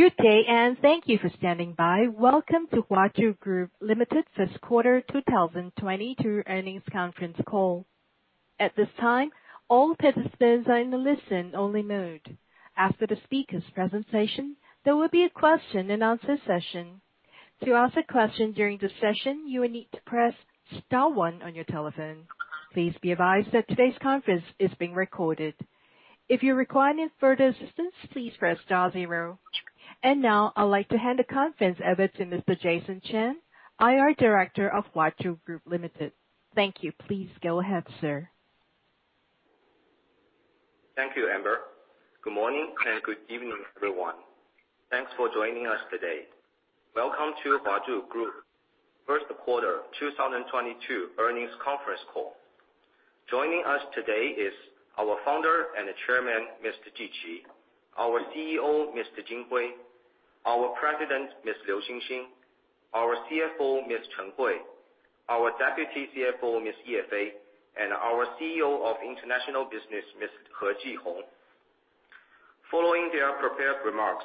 `Good day, and thank you for standing by. Welcome to Huazhu Group Limited first quarter 2022 earnings conference call. At this time, all participants are in a listen only mode. After the speakers' presentation, there will be a question and answer session. To ask a question during the session, you will need to press star one on your telephone. Please be advised that today's conference is being recorded. If you require any further assistance, please press star zero. Now, I'd like to hand the conference over to Mr. Jason Chen, IR Director of Huazhu Group Limited. Thank you. Please go ahead, sir. Thank you, Amber. Good morning and good evening, everyone. Thanks for joining us today. Welcome to Huazhu Group first quarter 2022 earnings conference call. Joining us today is our founder and chairman, Mr. Ji Qi, our CEO, Mr. Jin Hui, our president, Ms. Liu Xin Xin, our CFO, Ms. Chen Hui, our deputy CFO, Ms. Ye Fei, and our CEO of international business, Mr. He Jihong. Following their prepared remarks,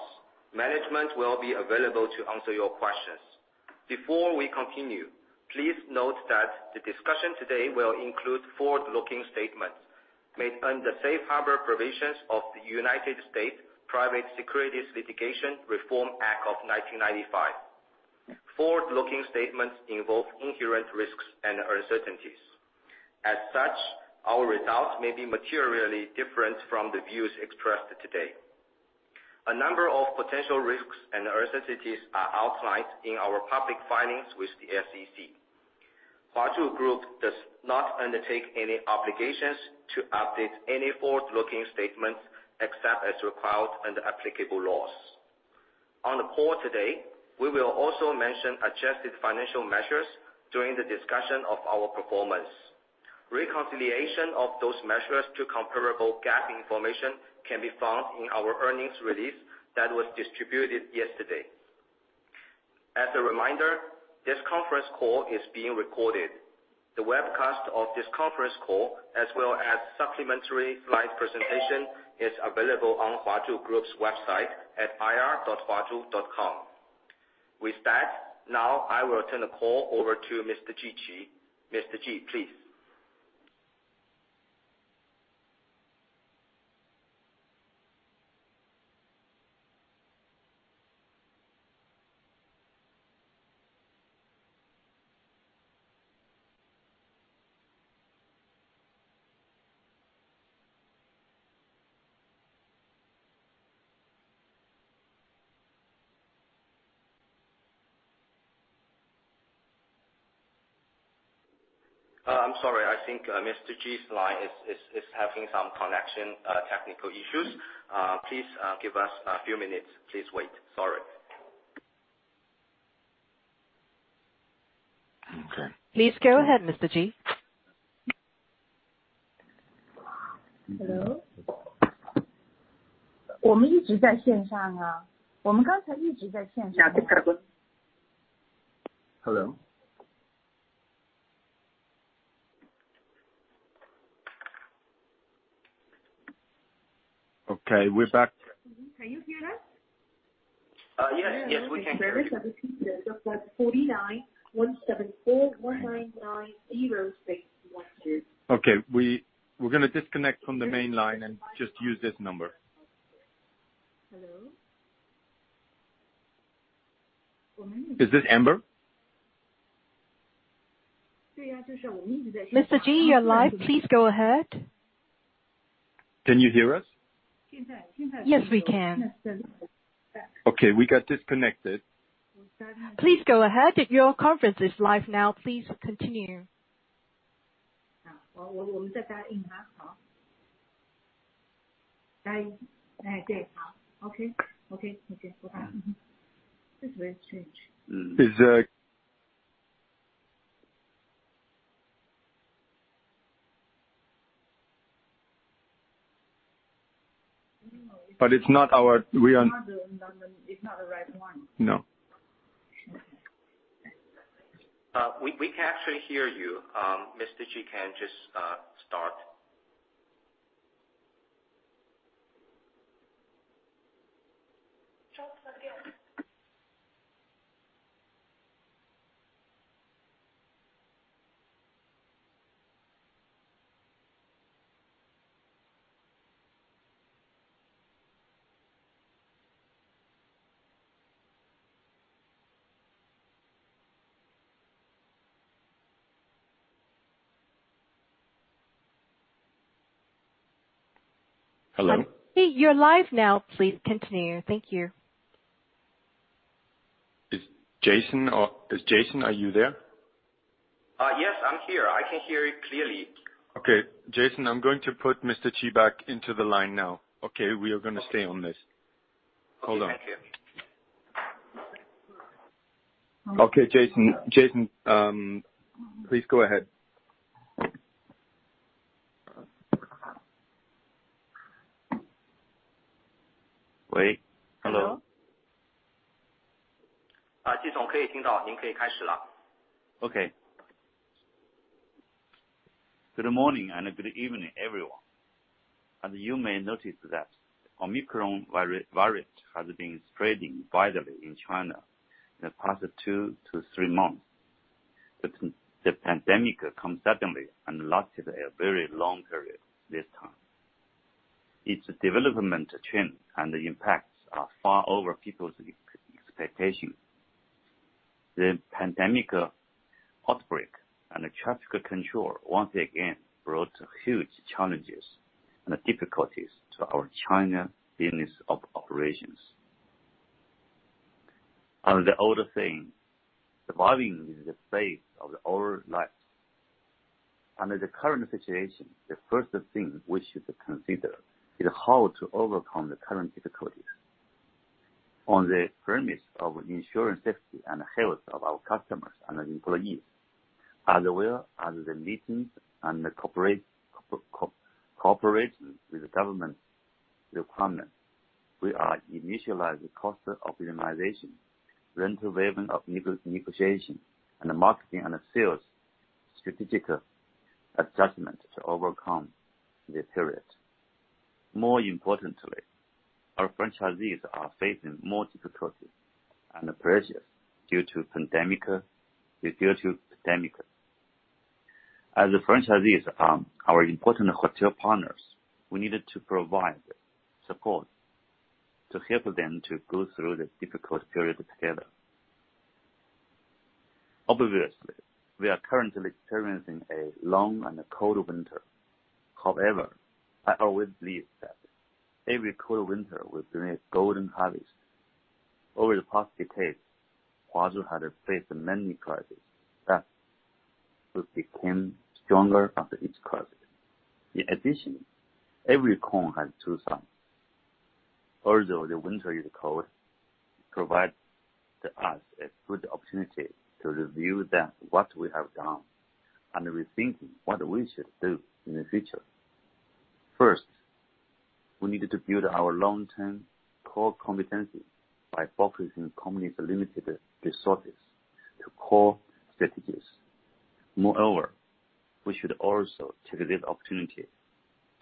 management will be available to answer your questions. Before we continue, please note that the discussion today will include forward-looking statements made under Safe Harbor Provisions of the United States Private Securities Litigation Reform Act of 1995. Forward-looking statements involve inherent risks and uncertainties. As such, our results may be materially different from the views expressed today. A number of potential risks and uncertainties are outlined in our public filings with the SEC. Huazhu Group does not undertake any obligations to update any forward-looking statements except as required under applicable laws. On the call today, we will also mention adjusted financial measures during the discussion of our performance. Reconciliation of those measures to comparable GAAP information can be found in our earnings release that was distributed yesterday. As a reminder, this conference call is being recorded. The webcast of this conference call as well as supplementary slide presentation is available on Huazhu Group's website at ir.huazhu.com. With that, now I will turn the call over to Mr. Ji Qi. Mr. Ji, please. I'm sorry. I think Mr. Ji's line is having some connection technical issues. Please give us a few minutes. Please wait. Sorry. Okay. Please go ahead, Mr. Ji. Hello? Hello? Okay, we're back. Mm-hmm. Can you hear us? Yes. Yes, we can hear you. Okay. We're gonna disconnect from the main line and just use this number. Hello? Is this Amber? Mr. Ji, you're live. Please go ahead. Can you hear us? Yes, we can. Okay, we got disconnected. Please go ahead. Your conference is live now. Please continue. Okay. This line's changed. Is, uh... No. But it's not our-- We are- It's not the right one. No. We can actually hear you. Mr. Ji can just start. Hello? Hey, you're live now. Please continue. Thank you. Is Jason, are you there? Yes, I'm here. I can hear you clearly. Okay. Jason, I'm going to put Mr. Ji back into the line now. Okay? We are gonna stay on this. Hold on. Okay. Thank you. Okay, Jason. Jason, please go ahead. Wait. Hello? Okay. Good morning and good evening, everyone. As you may notice that Omicron virus has been spreading widely in China in the past two to three months. The pandemic came suddenly and lasted a very long period this time. Its development trend and the impacts are far over people's expectation. The pandemic outbreak and the traffic control once again brought huge challenges and difficulties to our China business operations. On the other thing, surviving in the face of the old life. Under the current situation, the first thing we should consider is how to overcome the current difficulties. On the premise of ensuring safety and health of our customers and our employees, as well as the needs and the cooperation with the government requirement, we are initializing cost optimization, rent waiver of negotiation, and the marketing and sales strategic adjustment to overcome this period. More importantly, our franchisees are facing more difficulties and pressures due to the pandemic. As the franchisees are our important hotel partners, we needed to provide support, to help them to go through this difficult period together. Obviously, we are currently experiencing a long and cold winter. However, I always believe that every cold winter will bring a golden harvest. Over the past decades, Huazhu had faced many crises, that we became stronger after each crisis. In addition, every coin has two sides. Although the winter is cold, it provide to us a good opportunity to review that what we have done and rethinking what we should do in the future. First, we needed to build our long-term core competency by focusing company's limited resources to core strategies. Moreover, we should also take this opportunity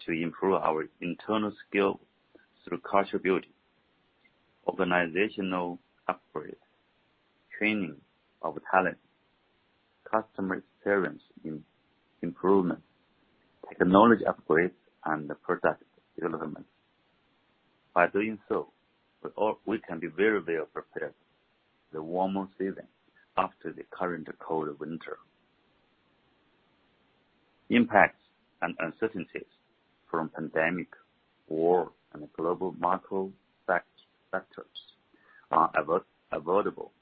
to improve our internal skill through culture building, organizational upgrade, training of talent, customer experience improvement, technology upgrades, and product development. By doing so, we can be very well prepared the warmer season after the current cold winter. Impacts and uncertainties from pandemic, war, and global macro factors are avoidable.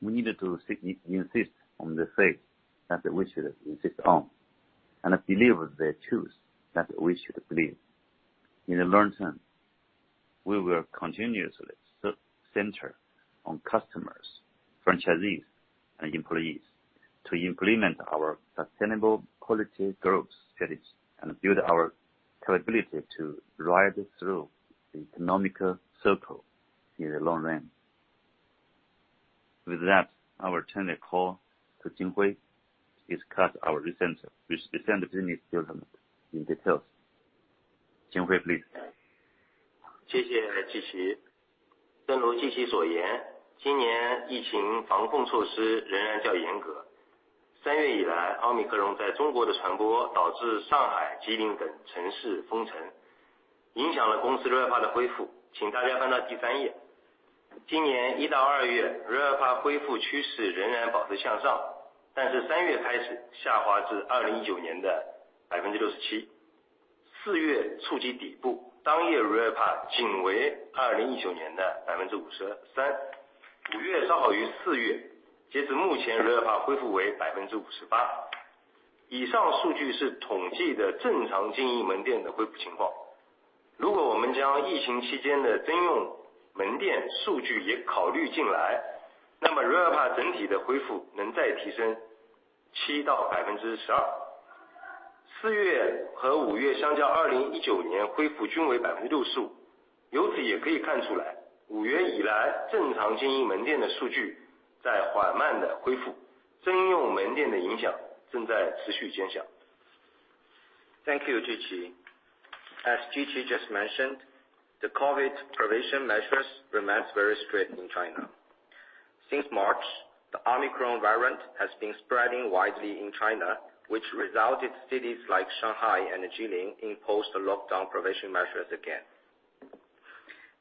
We needed to insist on the faith that we should insist on, and believe the truth that we should believe. In the long term, we will continuously center on customers, franchisees, and employees to implement our sustainable quality growth strategy and build our capability to ride through the economic cycle in the long run. With that, I will turn the call to Jin Hui to discuss our recent business development in detail. Jin Hui, please. Thank you, Ji Qi. As Ji Qi just mentioned, the COVID prevention measures remain very strict in China. Since March, the Omicron variant has been spreading widely in China, which has resulted in cities like Shanghai and Jilin imposing lockdown prevention measures again.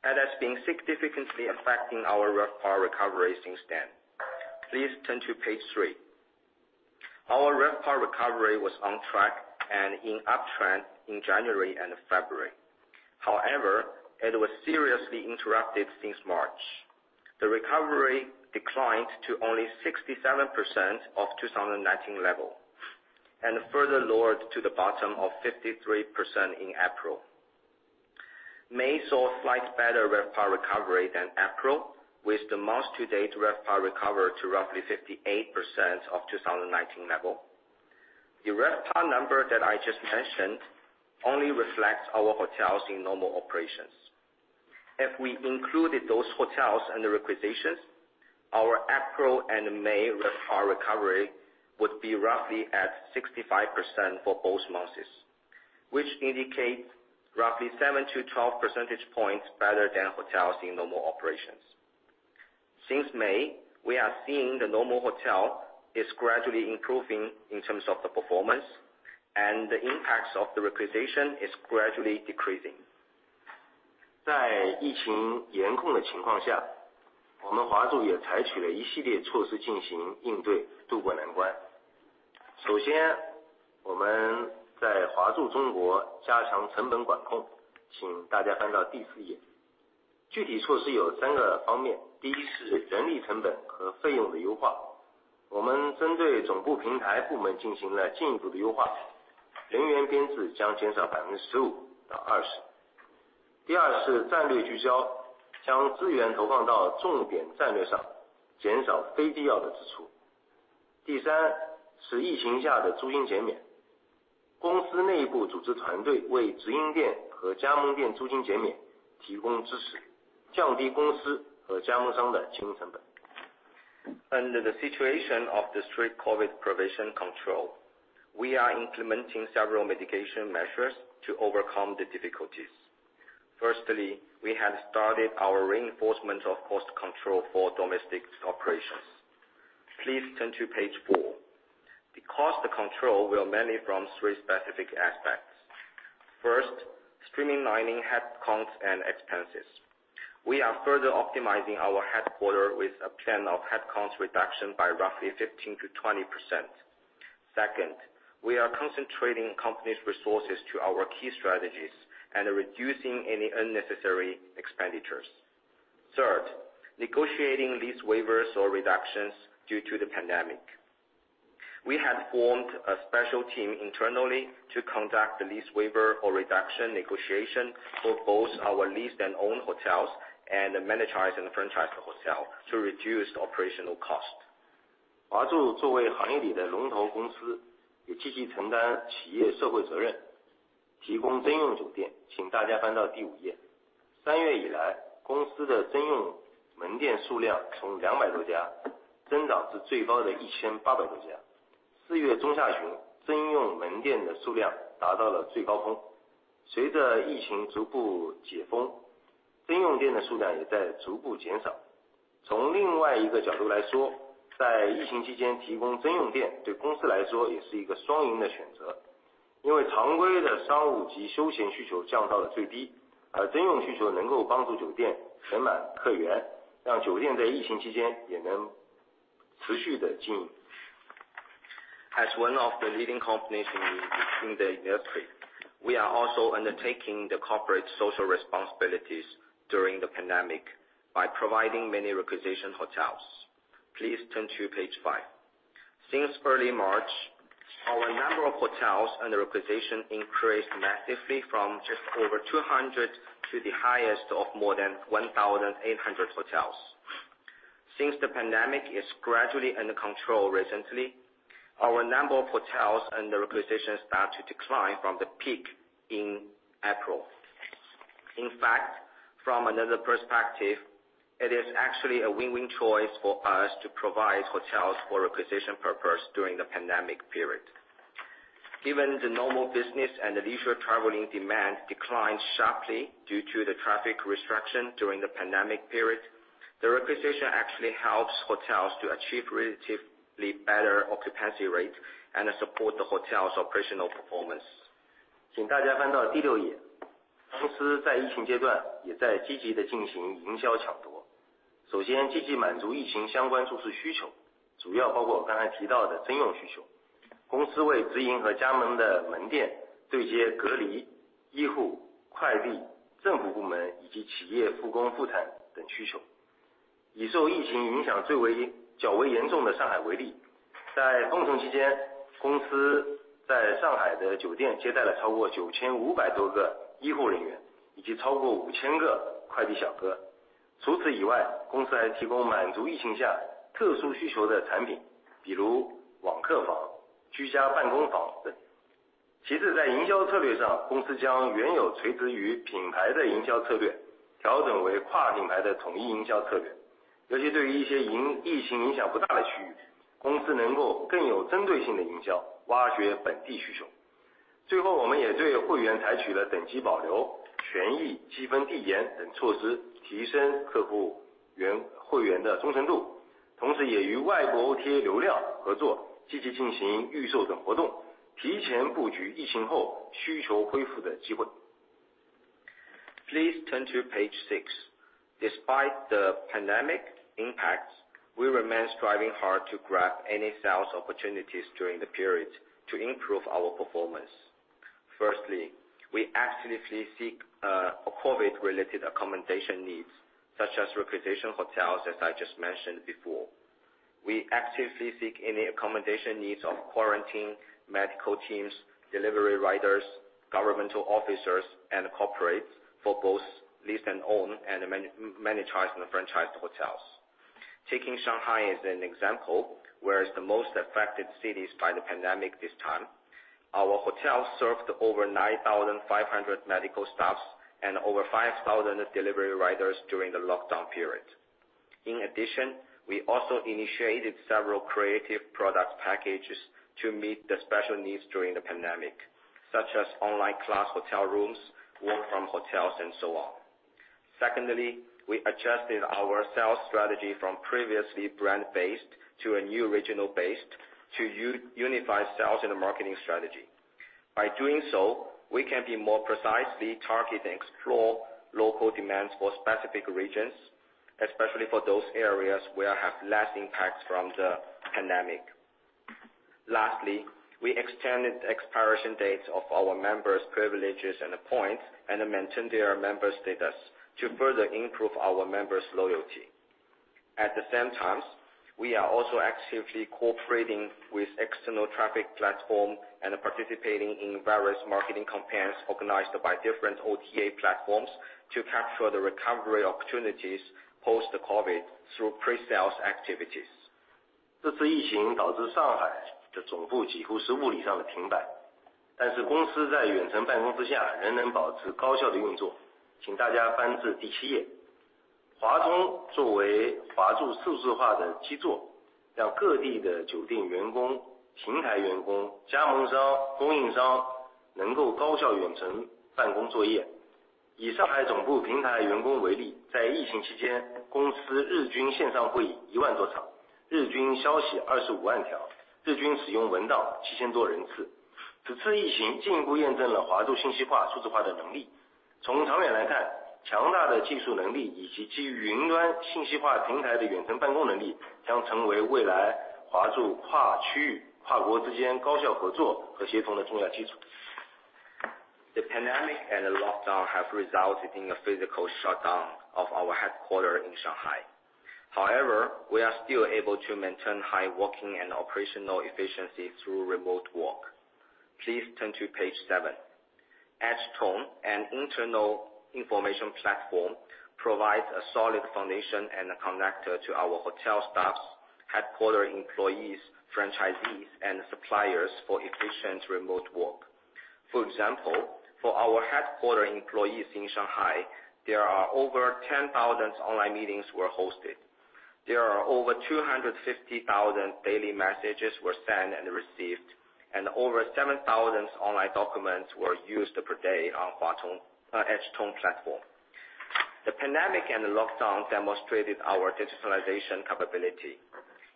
It has been significantly affecting our RevPAR recovery since then. Please turn to page three. Our RevPAR recovery was on track and in uptrend in January and February. However, it was seriously interrupted since March. The recovery declined to only 67% of 2019 level, and further lowered to the bottom of 53% in April. May saw a slightly better RevPAR recovery than April, with the month-to-date RevPAR recovered to roughly 58% of 2019 level. The RevPAR number that I just mentioned only reflects our hotels in normal operations. If we included those hotels under requisitions, our April and May RevPAR recovery would be roughly at 65% for both months, which indicates roughly 7-12 percentage points better than hotels in normal operations. Since May, we are seeing the normal hotel is gradually improving in terms of the performance, and the impacts of the requisition is gradually decreasing. Under the situation of the strict COVID prevention control, we are implementing several mitigation measures to overcome the difficulties. Firstly, we have started our reinforcement of cost control for domestic operations. Please turn to page four. The cost control will mainly from three specific aspects. First, streamlining headcounts and expenses. We are further optimizing our headquarters with a plan of headcount reduction by roughly 15%-20%. Second, we are concentrating company's resources to our key strategies and reducing any unnecessary expenditures. Third, negotiating lease waivers or reductions due to the pandemic. We have formed a special team internally to conduct the lease waiver or reduction negotiation for both our leased and owned hotels and the managed and the franchised hotel to reduce operational cost. As one of the leading companies in the industry, we are also undertaking the corporate social responsibilities during the pandemic by providing many requisition hotels. Please turn to page five. Since early March, our number of hotels under requisition increased massively from just over 200 to the highest of more than 1,800 hotels. Since the pandemic is gradually under control recently, our number of hotels under requisition start to decline from the peak in April. In fact, from another perspective, it is actually a win-win choice for us to provide hotels for requisition purpose during the pandemic period. Given the normal business and the leisure traveling demand declined sharply due to the traffic restriction during the pandemic period, the requisition actually helps hotels to achieve relatively better occupancy rate and support the hotel's operational performance. Please turn to page six. Despite the pandemic impacts, we remain striving hard to grab any sales opportunities during the period to improve our performance. Firstly, we actively seek COVID-related accommodation needs, such as requisition hotels, as I just mentioned before. We actively seek any accommodation needs of quarantine, medical teams, delivery riders, governmental officers, and corporates for both leased and owned, and managed and franchised hotels. Taking Shanghai as an example, which is the most affected city by the pandemic this time. Our hotel served over 9,500 medical staff and over 5,000 delivery riders during the lockdown period. In addition, we also initiated several creative product packages to meet the special needs during the pandemic, such as online class hotel rooms, work from hotels and so on. Secondly, we adjusted our sales strategy from previously brand-based to a new regional-based unified sales and marketing strategy. By doing so, we can more precisely target and explore local demands for specific regions, especially for those areas that have less impact from the pandemic. Lastly, we extended the expiration dates of our members' privileges and the points and maintain their member status to further improve our members' loyalty. At the same time, we are also actively cooperating with external traffic platform and participating in various marketing campaigns organized by different OTA platforms to capture the recovery opportunities post-COVID through pre-sales activities. The pandemic and the lockdown have resulted in a physical shutdown of our headquarters in Shanghai. However, we are still able to maintain high working and operational efficiency through remote work. Please turn to page seven. H-Tone, an internal information platform, provides a solid foundation and a connector to our hotel staff, headquarters employees, franchisees and suppliers for efficient remote work. For example, for our headquarters employees in Shanghai, there are over 10,000 online meetings were hosted. There are over 250,000 daily messages were sent and received, and over 7,000 online documents were used per day on the H-Tone platform. The pandemic and lockdown demonstrated our digitalization capability.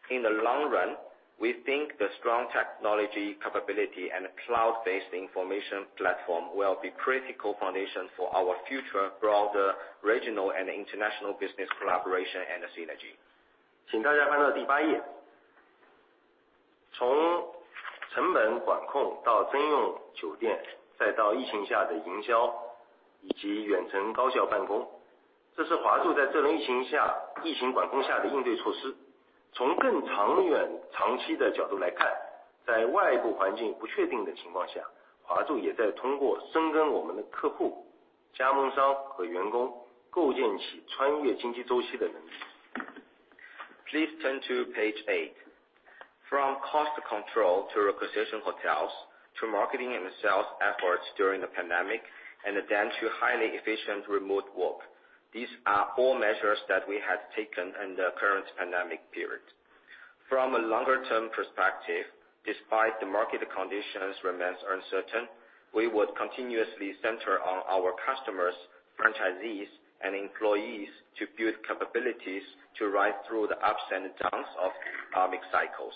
In the long run, we think the strong technology capability and cloud-based information platform will be critical foundation for our future broader regional and international business collaboration and synergy. Please turn to page eight. From cost control to acquisition hotels, to marketing and sales efforts during the pandemic, and then to highly efficient remote work. These are all measures that we have taken in the current pandemic period. From a longer term perspective, despite the market conditions remains uncertain, we would continuously center on our customers, franchisees and employees to build capabilities to ride through the ups and downs of economic cycles.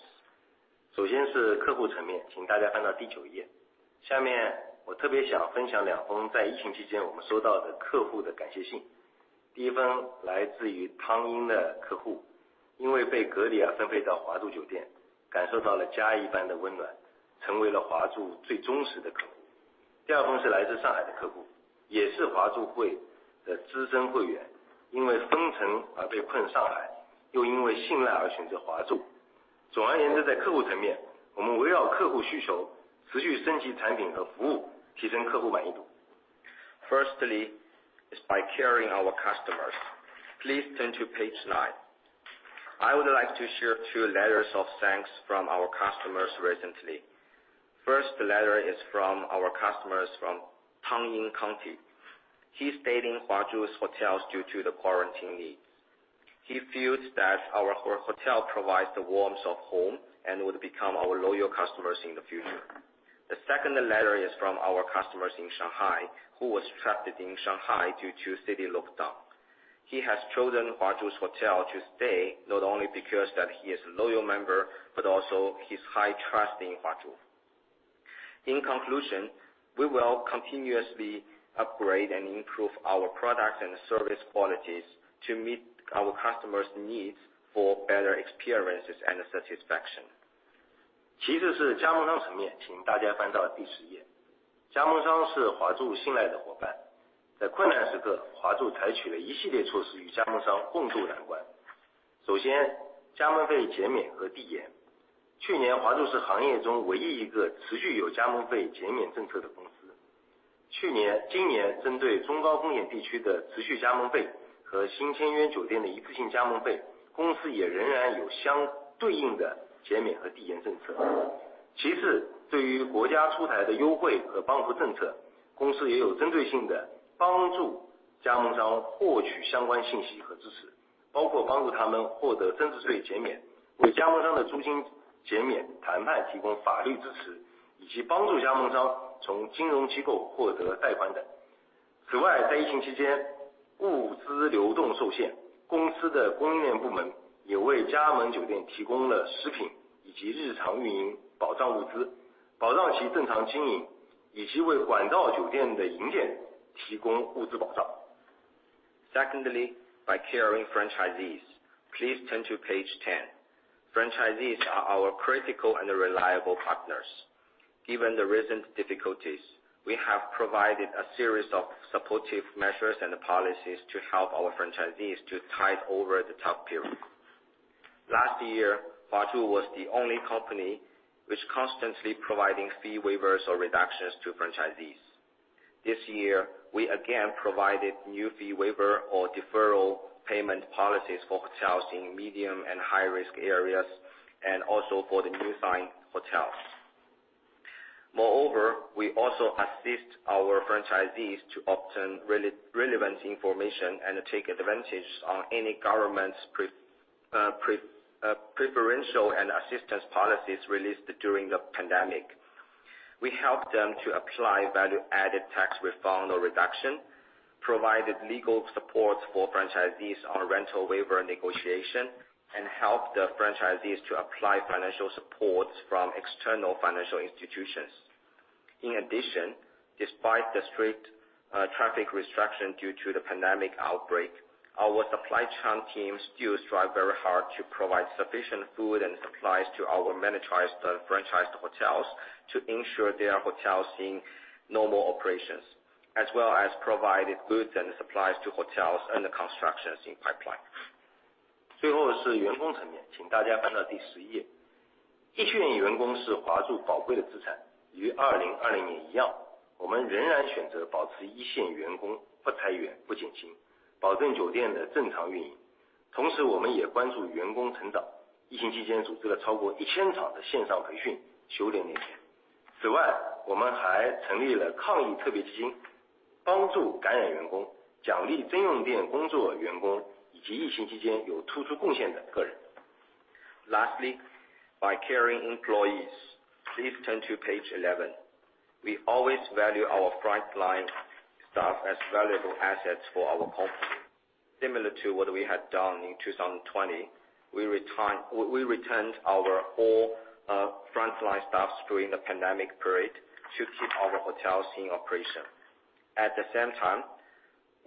Firstly is by caring for our customers. Please turn to page nine. I would like to share two letters of thanks from our customers recently. First letter is from our customers from Tangyin County. He stayed in Huazhu's hotels due to the quarantine need. He feels that our hotel provides the warmth of home and would become our loyal customers in the future. The second letter is from our customers in Shanghai who was trapped in Shanghai due to city lockdown. He has chosen Huazhu's hotel to stay, not only because that he is a loyal member, but also his high trust in Huazhu. In conclusion, we will continuously upgrade and improve our products and service qualities to meet our customers' needs for better experiences and satisfaction. Secondly, by caring for our franchisees. Please turn to page 10. Franchisees are our critical and reliable partners. Given the recent difficulties, we have provided a series of supportive measures and policies to help our franchisees to tide over the tough period. Last year, Huazhu was the only company which constantly providing fee waivers or reductions to franchisees. This year, we again provided new fee waiver or deferral payment policies for hotels in medium and high risk areas and also for the new signed hotels. Moreover, we also assist our franchisees to obtain relevant information and take advantage of any government's preferential and assistance policies released during the pandemic. We help them to apply value added tax refund or reduction, provided legal support for franchisees on rental waiver negotiation, and help the franchisees to apply financial supports from external financial institutions. In addition, despite the strict traffic restriction due to the pandemic outbreak, our supply chain team still strive very hard to provide sufficient food and supplies to our managed and franchised hotels to ensure their hotels in normal operations, as well as provided goods and supplies to hotels under constructions in pipeline. Lastly, by caring for employees. Please turn to page 11. We always value our frontline staff as valuable assets for our company. Similar to what we had done in 2020, we retained our whole frontline staff during the pandemic period to keep our hotels in operation. At the same time,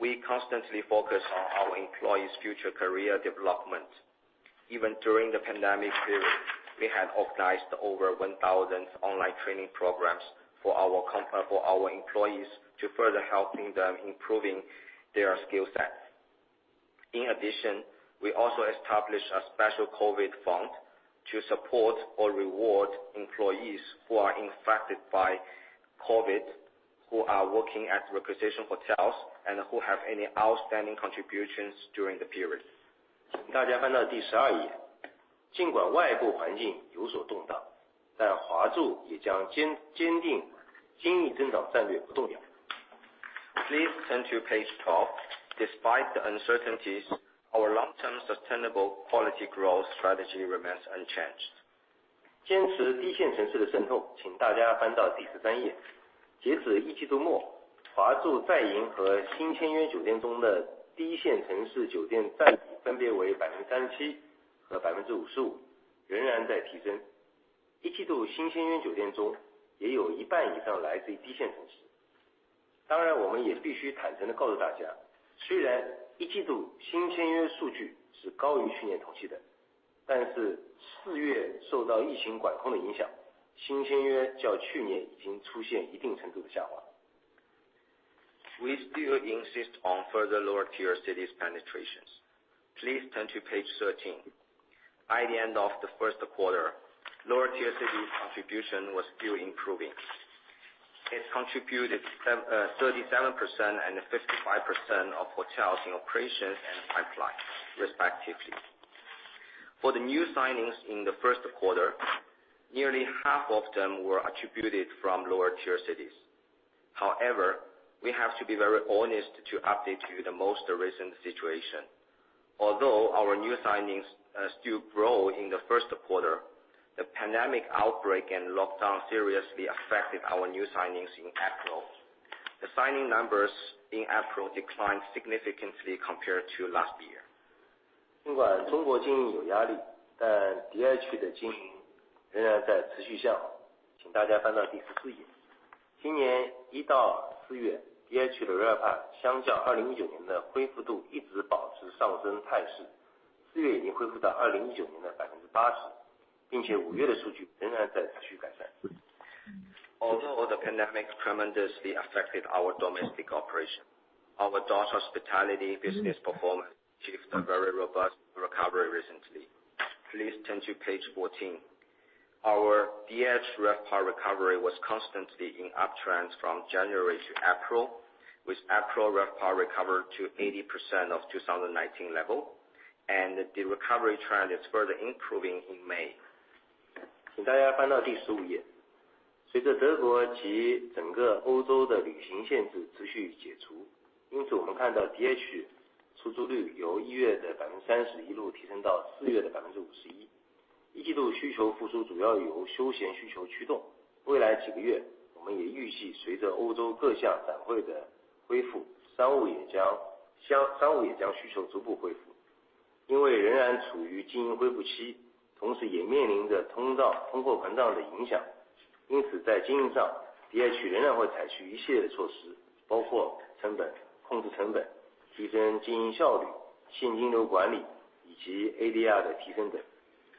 we constantly focus on our employees' future career development. Even during the pandemic period, we had organized over 1,000 online training programs for our employees to further help them improve their skill sets. In addition, we also established a special COVID fund to support or reward employees who are infected by COVID, who are working at requisition hotels, and who have any outstanding contributions during the period. 请大家翻到第十二页。尽管外部环境有所动荡，但华住也将坚定经营增长战略不动摇。Please turn to page 12. Despite the uncertainties, our long term sustainable quality growth strategy remains unchanged. 坚持低线城市的渗透。请大家翻到第十三页。截止一季度末，华住在营和新签约酒店中的低一线城市酒店占比分别为37%和55%，仍然在提升。一季度新签约酒店中也有一半以上来自于低线城市。当然，我们也必须坦诚地告诉大家，虽然一季度新签约数据是高于去年同期的，但是四月受到疫情管控的影响，新签约较去年已经出现一定程度的下滑。We still insist on further lower tier cities penetrations. Please turn to page 13. By the end of the first quarter, lower tier cities contribution was still improving. It contributed 37% and 55% of hotels in operations and pipeline respectively. For the new signings in the first quarter, nearly half of them were attributed from lower tier cities. However, we have to be very honest to update you the most recent situation. Although our new signings still grow in the first quarter, the pandemic outbreak and lockdown seriously affected our new signings in April. The signing numbers in April declined significantly compared to last year. 尽管中国经营有压力，但DH的经营仍然在持续向好。请大家翻到第十四页。今年一到四月，DH的RevPAR相较2019年的恢复度一直保持上升态势，4月已经恢复到2019年的80%，并且五月的数据仍然在持续改善。Although the pandemic tremendously affected our domestic operations. Our Deutsche Hospitality business performance achieved a very robust recovery recently. Please turn to page 14. Our DH RevPAR recovery was constantly in uptrend from January to April, with April RevPAR recovered to 80% of 2019 level, and the recovery trend is further improving in May. Please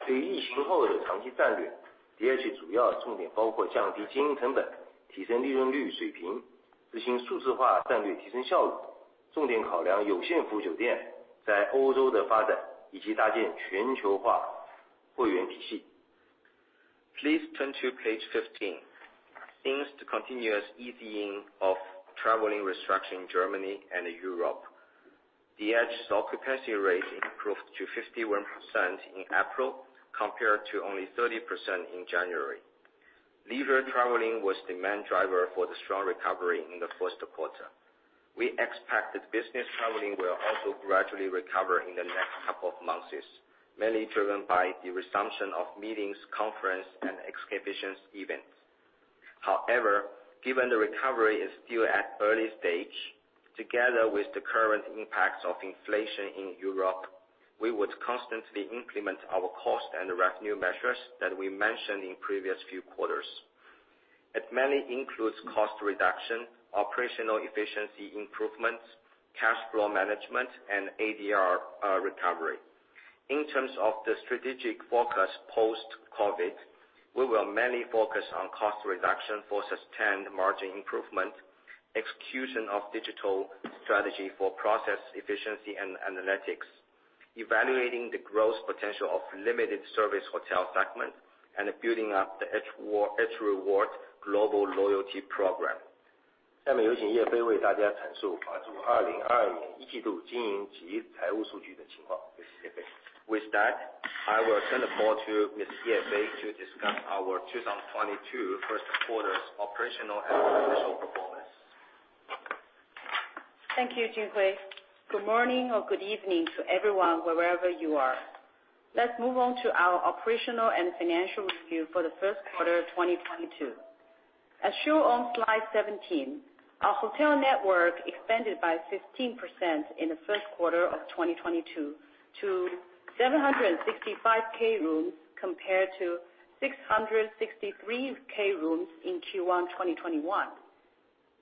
turn to page 15. Thanks to continuous easing of traveling restriction in Germany and Europe, DH's occupancy rate improved to 51% in April compared to only 30% in January. Leisure traveling was the main driver for the strong recovery in the first quarter. We expect that business traveling will also gradually recover in the next couple of months, mainly driven by the resumption of meetings, conference, and exhibitions events. However, given the recovery is still at early stage, together with the current impacts of inflation in Europe, we would constantly implement our cost and revenue measures that we mentioned in previous few quarters. It mainly includes cost reduction, operational efficiency improvements, cash flow management, and ADR recovery. In terms of the strategic focus post-COVID, we will mainly focus on cost reduction for sustained margin improvement, execution of digital strategy for process efficiency and analytics, evaluating the growth potential of limited service hotel segment, and building up the H-Rewards global loyalty program. With that, I will turn the call to Ms. Ye Fei to discuss our 2022 first quarter's operational and financial performance. Thank you, Jin Hui. Good morning or good evening to everyone, wherever you are. Let's move on to our operational and financial review for the first quarter of 2022. As shown on slide 17, our hotel network expanded by 15% in the first quarter of 2022 to 765K rooms compared to 663K rooms in Q1 2021.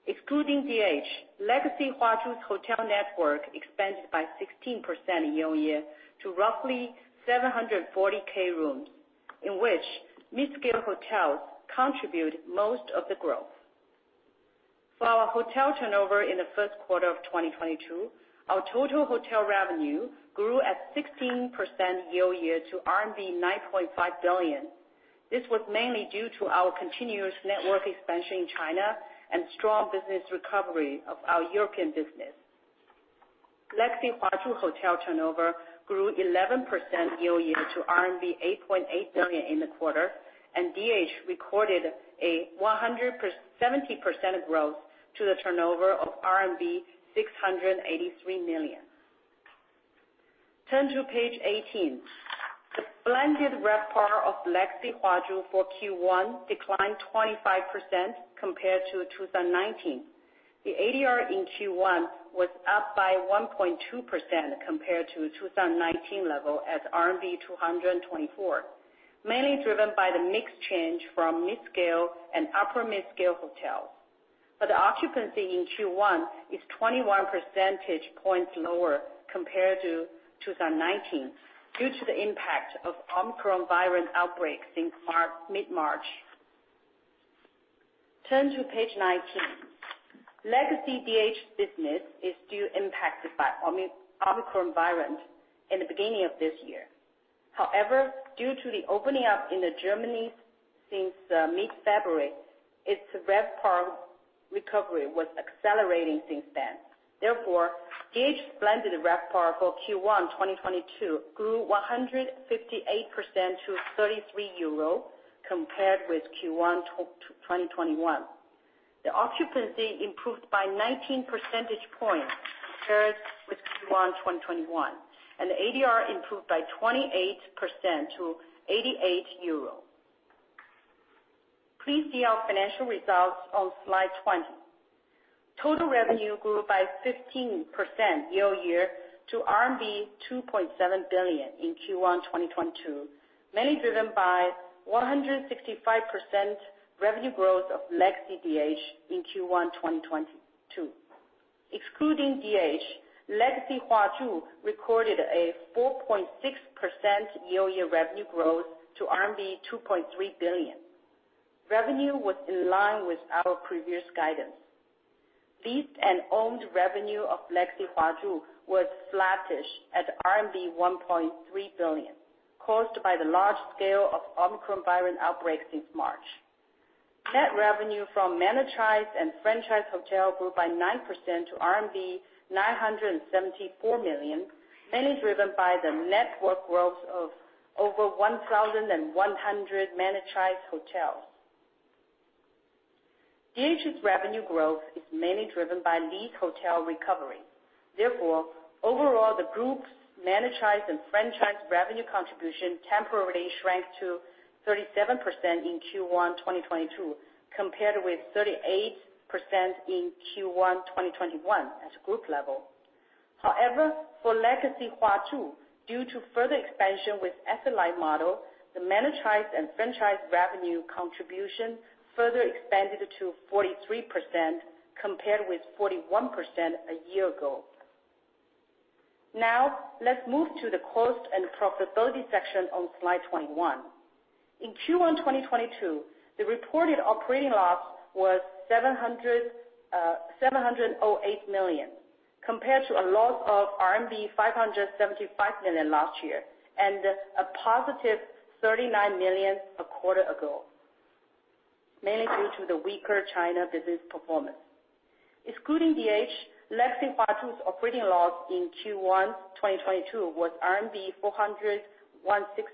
Excluding DH, Legacy-Huazhu's hotel network expanded by 16% year-on-year to roughly 740K rooms, in which mid-scale hotels contribute most of the growth. For our hotel turnover in the first quarter of 2022, our total hotel revenue grew 16% year-on-year to RMB 9.5 billion. This was mainly due to our continuous network expansion in China and strong business recovery of our European business. Legacy-Huazhu hotel turnover grew 11% year-on-year to RMB 8.8 billion in the quarter, and DH recorded a 170% growth to the turnover of RMB 683 million. Turn to page 18. The blended RevPAR of Legacy-Huazhu for Q1 declined 25% compared to 2019. The ADR in Q1 was up by 1.2% compared to 2019 level as RMB 224, mainly driven by the mix change from midscale and upper midscale hotels. The occupancy in Q1 is 21 percentage points lower compared to 2019 due to the impact of Omicron variant outbreaks in mid-March. Turn to page 19. Legacy-DH business is still impacted by Omicron variant in the beginning of this year. However, due to the opening up in Germany since mid-February, its RevPAR recovery was accelerating since then. Therefore, DH blended RevPAR for Q1 2022 grew 158% to 33 euro compared with Q1 2021. The occupancy improved by 19 percentage points compared with Q1 2021, and the ADR improved by 28% to 88 euro. Please see our financial results on slide 20. Total revenue grew by 15% year-on-year to RMB 2.7 billion in Q1 2022, mainly driven by 165% revenue growth of Legacy-DH in Q1 2022. Excluding DH, Legacy-Huazhu recorded a 4.6% year-on-year revenue growth to RMB 2.3 billion. Revenue was in line with our previous guidance. Leased and owned revenue of Legacy-Huazhu was flattish at RMB 1.3 billion, caused by the large scale of Omicron variant outbreak since March. Net revenue from managed and franchised hotel grew by 9% to RMB 974 million, mainly driven by the network growth of over 1,100 managed hotels. DH's revenue growth is mainly driven by leased hotel recovery. Therefore, overall, the group's managed and franchised revenue contribution temporarily shrank to 37% in Q1 2022, compared with 38% in Q1 2021 at group level. However, for Legacy-Huazhu, due to further expansion with asset-light model, the managed and franchised revenue contribution further expanded to 43% compared with 41% a year ago. Now, let's move to the cost and profitability section on slide 21. In Q1 2022, the reported operating loss was 708 million, compared to a loss of RMB 575 million last year, and a positive 39 million a quarter ago, mainly due to the weaker China business performance. Excluding DH, Legacy-Huazhu's operating loss in Q1 2022 was RMB 416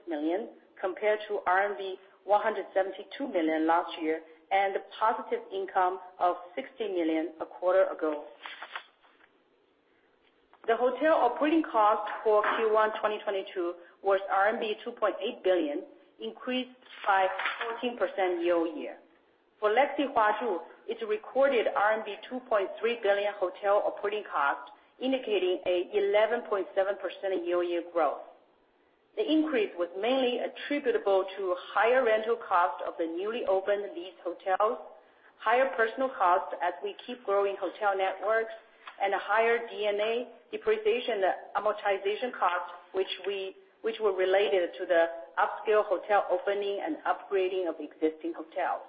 million, compared to RMB 172 million last year, and a positive income of 60 million a quarter ago. The hotel operating cost for Q1 2022 was RMB 2.8 billion, increased by 14% year-over-year. For Legacy-Huazhu, it recorded RMB 2.3 billion hotel operating cost, indicating an 11.7% year-over-year growth. The increase was mainly attributable to higher rental cost of the newly opened leased hotels, higher personal costs as we keep growing hotel networks, and a higher D&A depreciation amortization cost, which were related to the upscale hotel opening and upgrading of existing hotels,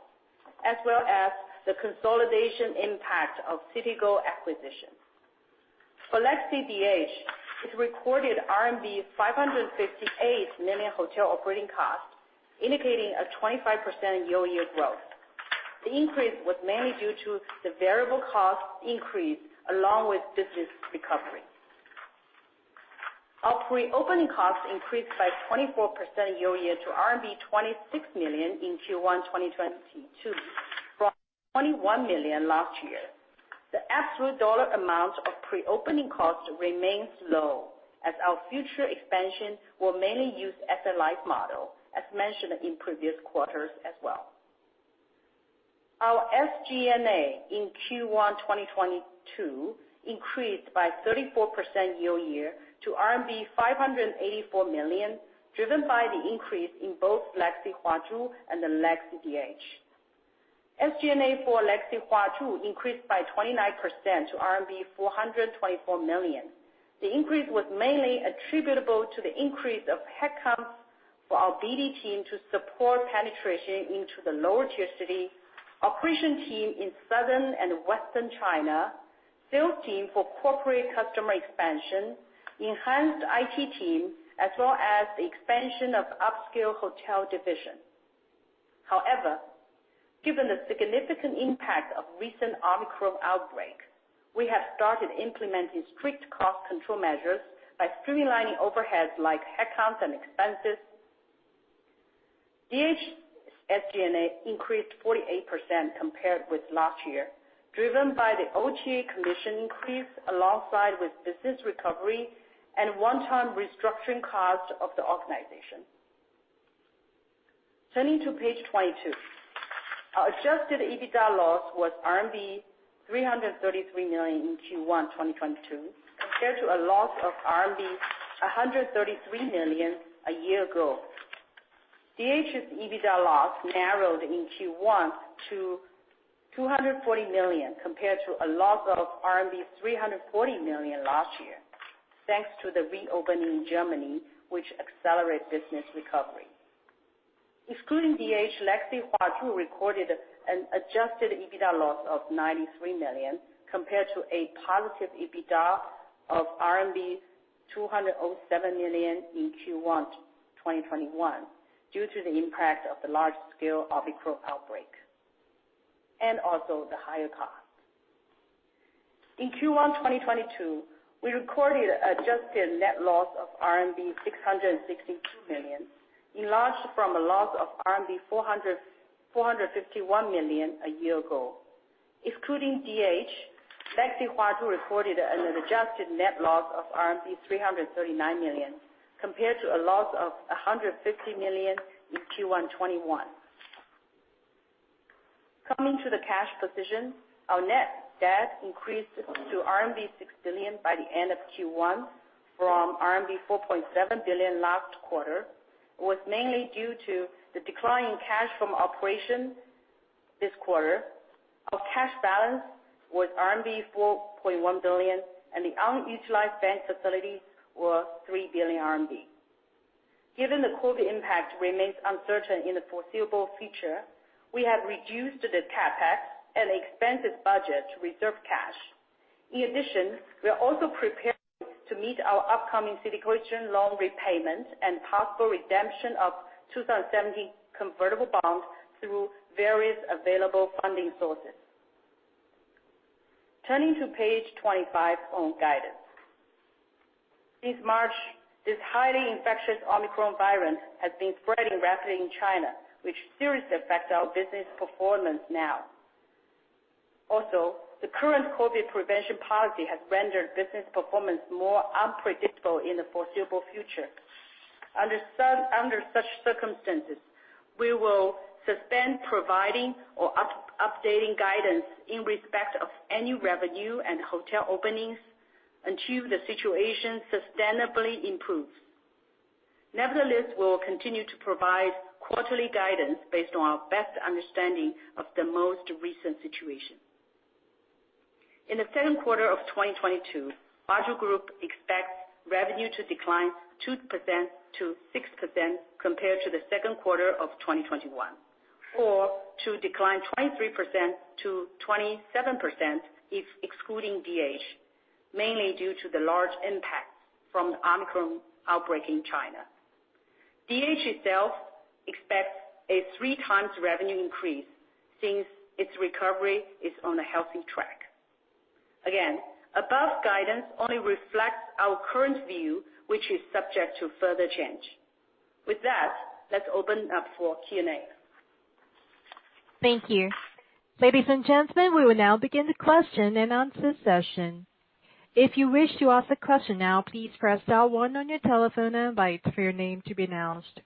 as well as the consolidation impact of CitiGO acquisition. For Legacy-DH, it recorded RMB 558 million hotel operating cost, indicating a 25% year-over-year growth. The increase was mainly due to the variable cost increase along with business recovery. Our pre-opening costs increased by 24% year-over-year to RMB 26 million in Q1 2022, from 21 million last year. The absolute dollar amount of pre-opening cost remains low, as our future expansion will mainly use asset-light model, as mentioned in previous quarters as well. Our SG&A in Q1 2022 increased by 34% year-over-year to RMB 584 million, driven by the increase in both Legacy-Huazhu and the Legacy-DH. SG&A for Legacy-Huazhu increased by 29% to RMB 424 million. The increase was mainly attributable to the increase of headcounts for our BD team to support penetration into the lower tier city, operation team in Southern and Western China, sales team for corporate customer expansion, enhanced IT team, as well as the expansion of upscale hotel division. However, given the significant impact of recent Omicron outbreak, we have started implementing strict cost control measures by streamlining overheads like headcounts and expenses. DH SG&A increased 48% compared with last year, driven by the OTA commission increase alongside with business recovery and one-time restructuring cost of the organization. Turning to page 22. Our adjusted EBITDA loss was RMB 333 million in Q1 2022, compared to a loss of RMB 133 million a year ago. DH's EBITDA loss narrowed in Q1 to 240 million, compared to a loss of RMB 340 million last year, thanks to the reopening in Germany, which accelerates business recovery. Excluding DH, Legacy-Huazhu recorded an adjusted EBITDA loss of 93 million, compared to a positive EBITDA of RMB 207 million in Q1 2021, due to the impact of the large-scale Omicron outbreak, and also the higher cost. In Q1 2022, we recorded adjusted net loss of RMB 662 million, enlarged from a loss of 451 million a year ago. Excluding DH, Legacy-Huazhu recorded an adjusted net loss of RMB 339 million, compared to a loss of 150 million in Q1 2021. Coming to the cash position, our net debt increased to RMB 6 billion by the end of Q1, from RMB 4.7 billion last quarter. It was mainly due to the decline in cash from operations. This quarter, our cash balance was RMB 4.1 billion and the unutilized bank facilities were 3 billion RMB. Given the COVID impact remains uncertain in the foreseeable future, we have reduced the CapEx and expenses budget to preserve cash. In addition, we are also prepared to meet our upcoming syndicated loan repayments and possible redemption of 2017 convertible bonds through various available funding sources. Turning to page 25 on guidance. Since March, this highly infectious Omicron variant has been spreading rapidly in China, which seriously affects our business performance now. Also, the current COVID prevention policy has rendered business performance more unpredictable in the foreseeable future. Under such circumstances, we will suspend providing or updating guidance in respect of any revenue and hotel openings until the situation sustainably improves. Nevertheless, we will continue to provide quarterly guidance based on our best understanding of the most recent situation. In the second quarter of 2022, Huazhu Group expects revenue to decline 2%-6% compared to the second quarter of 2021, or to decline 23%-27% if excluding DH, mainly due to the large impact from the Omicron outbreak in China. DH itself expects a 3x revenue increase since its recovery is on a healthy track. Again, above guidance only reflects our current view, which is subject to further change. With that, let's open up for Q&A. Thank you. Ladies and gentlemen, we will now begin the question and answer session. If you wish to ask a question now, please press star one on your telephone and wait for your name to be announced.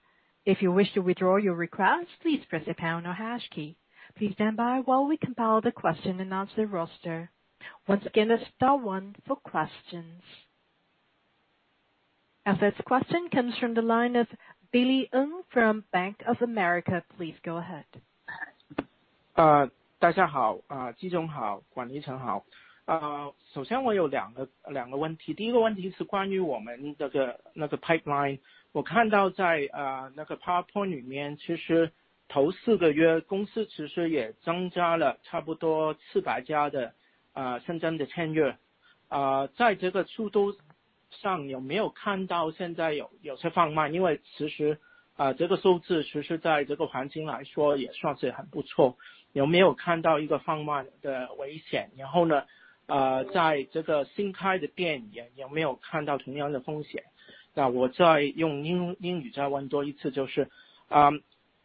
If you wish to withdraw your request, please press the pound or hash key. Please stand by while we compile the question and answer roster. Once again, that's star one for questions. Our first question comes from the line of Billy Ng from Bank of America. Please go ahead.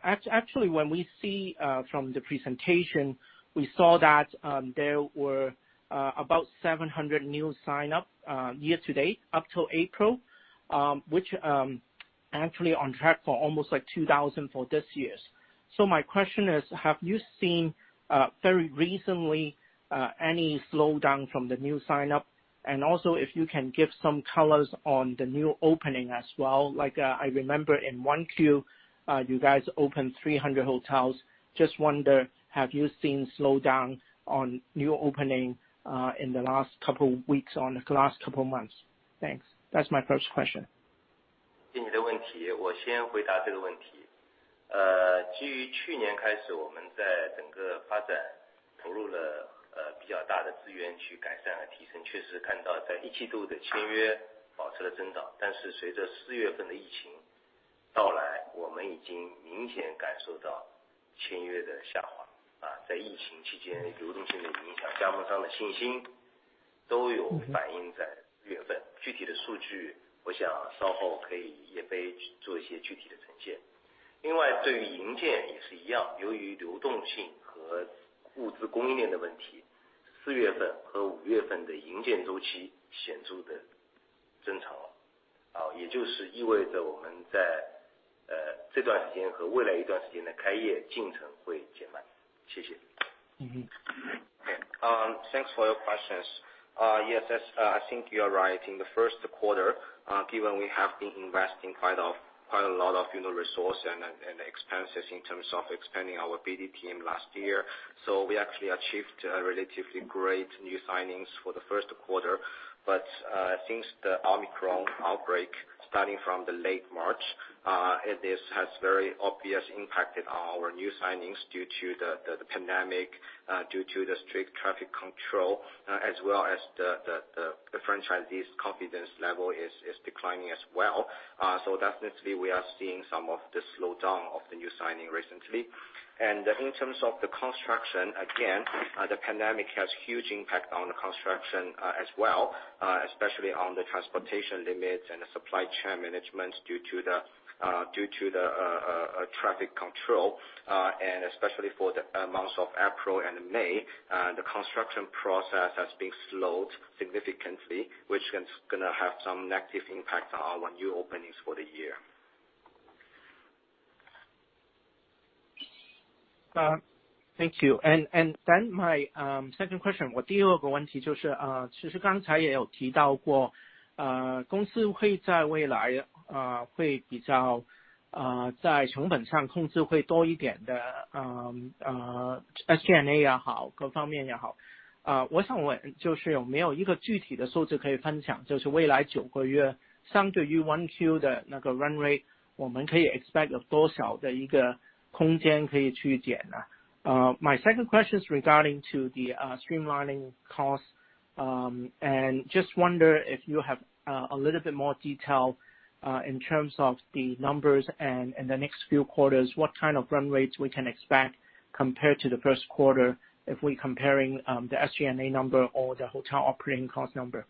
Actually, when we see from the presentation, we saw that there were about 700 new sign-ups year-to-date, up till April, which actually on track for almost like 2,000 for this year. So my question is, have you seen very recently any slowdown from the new sign-up? And also if you can give some colors on the new opening as well, like I remember in 1Q you guys opened 300 hotels. Just wonder, have you seen slowdown on new opening in the last couple weeks or the last couple of months? Thanks. That's my first question. Thanks for your questions. Yes, I think you are right. In the first quarter, given we have been investing quite a lot of resource and expenses in terms of expanding our BD team last year. We actually achieved a relatively great new signings for the first quarter. Since the Omicron outbreak, starting from the late March, this has very obviously impacted our new signings due to the pandemic, due to the strict traffic control, as well as the franchisees' confidence level is declining as well. Definitely we are seeing some of the slowdown of the new signing recently. In terms of the construction, again, the pandemic has huge impact on the construction, as well, especially on the transportation limits and the supply chain management due to the traffic control, and especially for the months of April and May, the construction process has been slowed significantly, which gonna have some negative impact on our new openings for the year. Thank you. My second question. 在成本上控制会多一点的，SG&A也好，各方面也好，我想问就是有没有一个具体的数字可以分享，就是未来九个月相对于1Q的那个run rate，我们可以expect有多少的一个空间可以去减呢？ My second question is regarding to the streamlining cost, and just wonder if you have a little bit more detail, in terms of the numbers and in the next few quarters, what kind of run rates we can expect compared to the first quarter if we comparing, the SG&A number or the hotel operating cost number?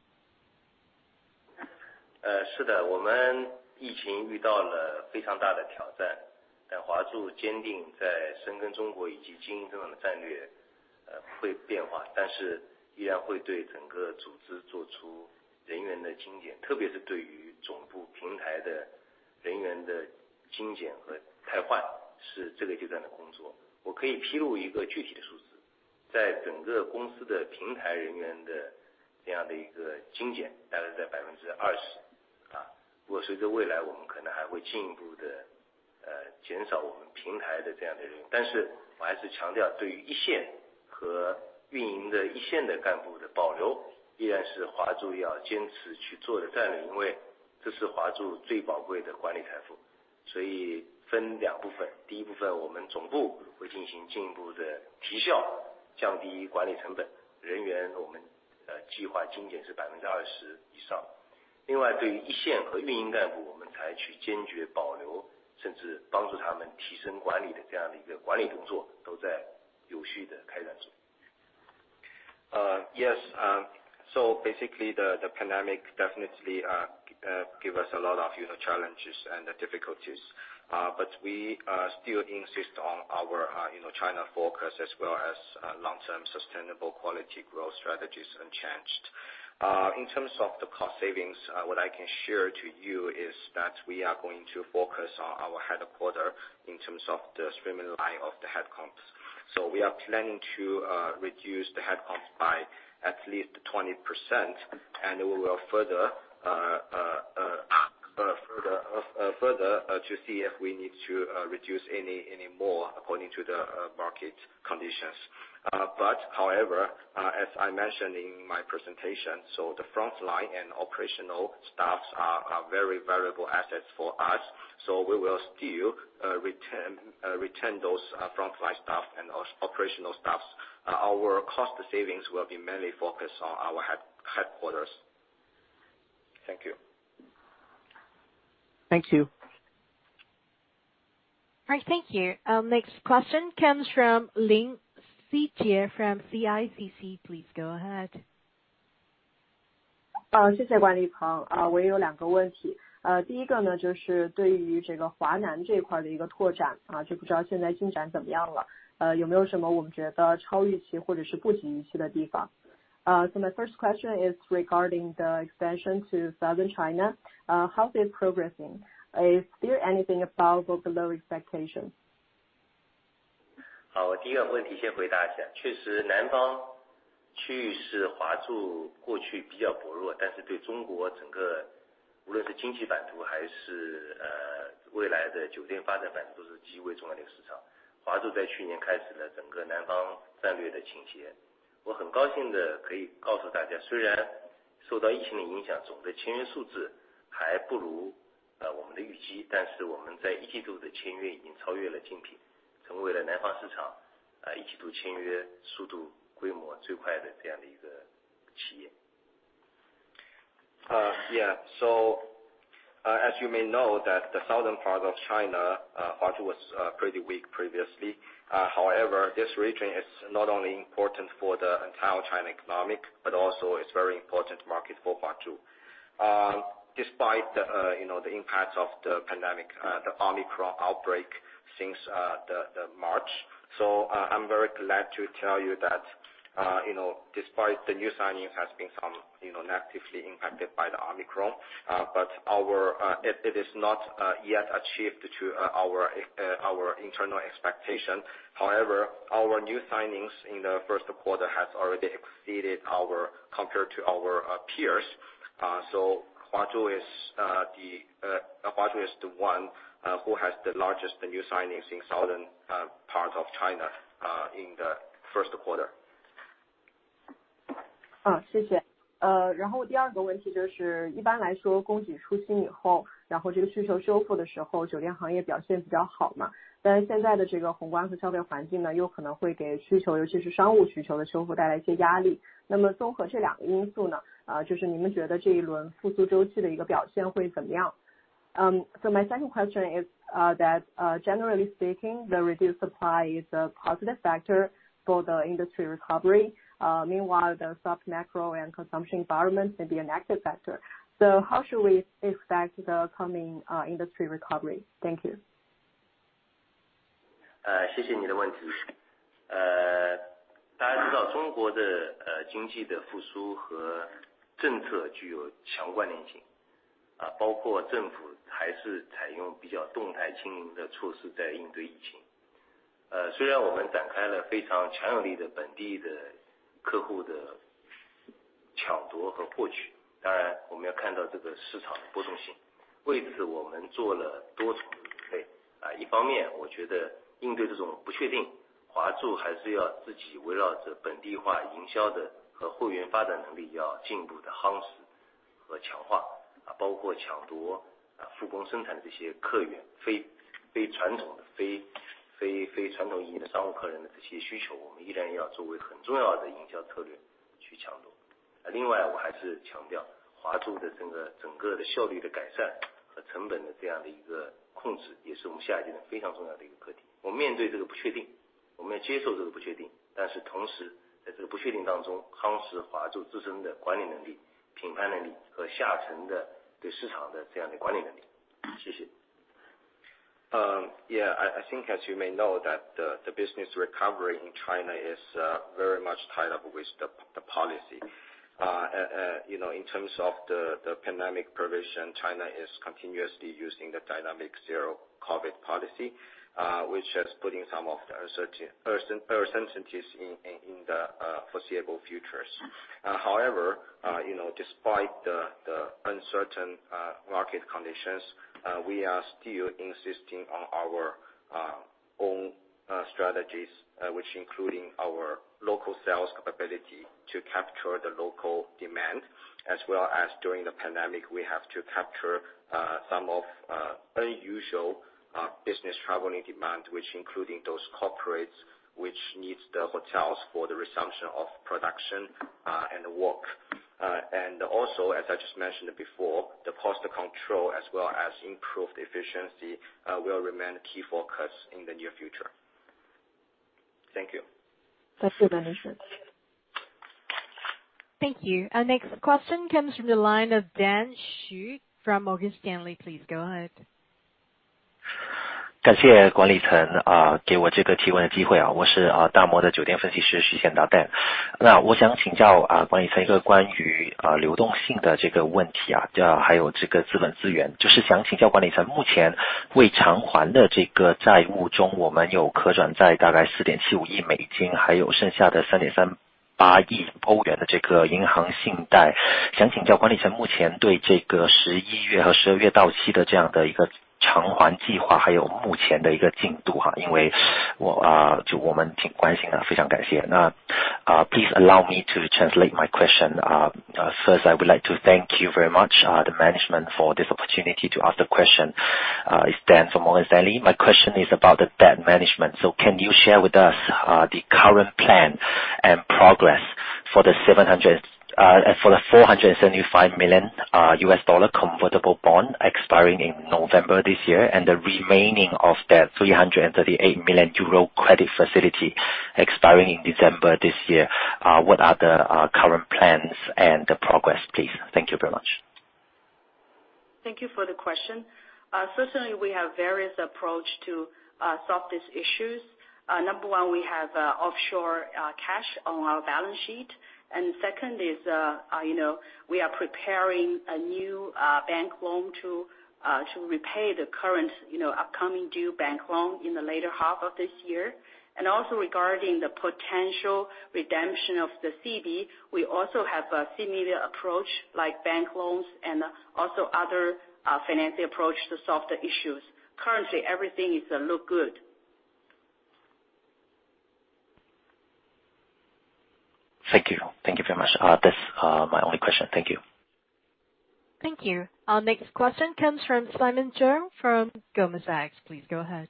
Basically the pandemic definitely give us a lot of challenges and difficulties, but we still insist on our China focus as well as long-term sustainable quality growth strategies unchanged. In terms of the cost savings, what I can share to you is that we are going to focus on our headquarters in terms of the streamlining of the headcounts. We are planning to reduce the headcounts by at least 20%, and we will further see if we need to reduce any more according to the market conditions. However, as I mentioned in my presentation, the frontline and operational staffs are very valuable assets for us, so we will still retain those frontline staff and operational staffs. Our cost savings will be mainly focused on our headquarters. Thank you. Thank you. All right, thank you. Next question comes from 林思洁 from CICC. Please go ahead. 好，谢谢万里鹏。我也有两个问题，第一个呢，就是对于这个华南这块的一个拓展，就不知道现在进展怎么样了，有没有什么我们觉得超预期或者是不及预期的地方。So my first question is regarding the expansion to Southern China. How is it progressing? Is there anything above or below expectations? 好，我第一个问题先回答一下，确实南方区域是华住过去比较薄弱，但是对中国整个无论是经济版图还是未来的酒店发展版图都是极为重要的一个市场。华住去年开始了整个南方战略的倾斜。我很高兴地可以告诉大家，虽然受到疫情的影响，总的签约数字还不如我们的预期，但是我们在一季度的签约已经超越了竞品，成为了南方市场一季度签约速度规模最快的这样一个企业。So, as you may know, the southern part of China, Huazhu was pretty weak previously. However, this region is not only important for the entire Chinese economy, but also it's very important market for Huazhu. Despite, the impact of the pandemic, the Omicron outbreak since March. I'm very glad to tell you that despite the new signings have been somewhat negatively impacted by the Omicron, but it is not yet achieved to our internal expectation. However, our new signings in the first quarter has already exceeded compared to our peers. Huazhu is the one who has the largest new signings in southern part of China, in the first quarter. 好，然后第二个问题就是，一般来说供给收缩以后，然后这个需求修复的时候，酒店行业表现比较好嘛，但是现在的这个宏观和消费环境呢，有可能会给需求，尤其是商务需求的修复带来一些压力。那么综合这两个因素呢，就是你们觉得这一轮复苏周期的一个表现会怎么样？Generally speaking, the reduced supply is a positive factor for the industry recovery. Meanwhile, the soft macro and consumption environment may be a negative factor. So how should we expect the coming industry recovery? Thank you. I think as you may know that the business recovery in China is very much tied up with the policy. In terms of the pandemic provision, China is continuously using the dynamic zero-COVID policy, which is putting some of the uncertainties in the foreseeable future. However, despite the uncertain market conditions, we are still insisting on our own strategies, which including our local sales capability to capture the local demand as well as during the pandemic we have to capture some of unusual business traveling demand, which including those corporates which needs the hotels for the resumption of production and work. Also, as I just mentioned before, the cost control as well as improved efficiency will remain key focus in the near future. Thank you. Thank you. Thank you. Next question comes from the line of Dan Xu from Morgan Stanley. Please go ahead. Please allow me to translate my question. First I would like to thank you very much, the management for this opportunity to ask the question, it's Dan from Morgan Stanley. My question is about the debt management, so can you share with us, the current plan and progress for the $475 million convertible bond expiring in November this year, and the remaining of that 338 million euro credit facility expiring in December this year. What are the current plans and progress, please? Thank you very much. Thank you for the question. Certainly we have various approach to solve these issues. Number one, we have offshore cash on our balance sheet. Second is, we are preparing a new bank loan to repay the current upcoming due bank loan in the later half of this year. Also regarding the potential redemption of the CB, we also have a similar approach like bank loans and also other financial approach to solve the issues. Currently, everything is looking good. Thank you. Thank you very much. That's my only question. Thank you. Thank you. Next question comes from Simon Cheung from Goldman Sachs. Please go ahead.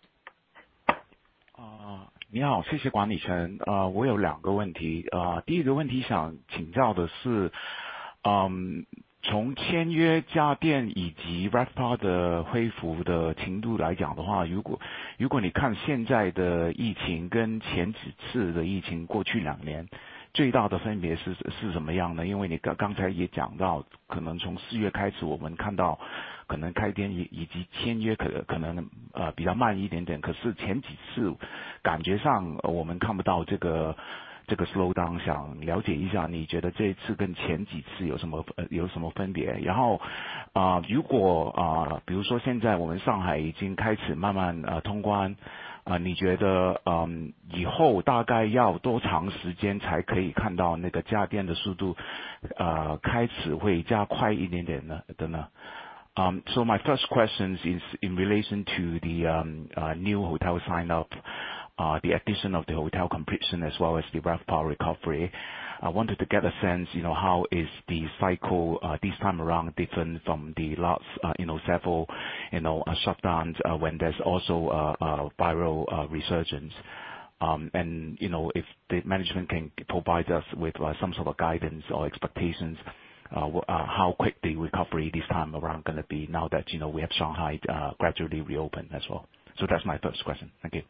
你好，谢谢管理层。我有两个问题，第一个问题想请教的是，从签约加店以及RevPAR的恢复的程度来讲的话，如果你看现在的疫情跟前几次的疫情，过去两年最大的分别是什么样呢？因为你刚才也讲到，可能从四月开始，我们看到可能开店以及签约可能比较慢一点点，可是前几次感觉上我们看不到这个slow down，想了解一下，你觉得这一次跟前几次有什么分别？然后，如果比如说现在我们上海已经开始慢慢通关，你觉得以后大概要多长时间才可以看到那个加店的速度开始会加快一点点呢？ My first question is in relation to new hotel sign-up, the addition of hotel completion as well as the RevPAR recovery. I wanted to get a sense of how the cycle this time around is different from the last several shutdowns when there's also viral resurgence, and if the management can provide us with some sort of guidance or expectations on how quick the recovery this time around is going to be, now that we have Shanghai gradually reopening as well. So that's my first question. Thank you.